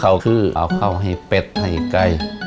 เขาคือเอาข้าวให้เป็ดให้ไก่